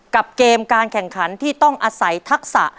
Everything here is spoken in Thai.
เกมการแข่งขันที่ต้องอาศัยทักษะ